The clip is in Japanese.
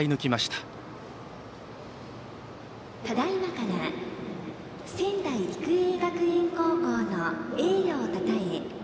ただいまから仙台育英学園高校の栄誉をたたえ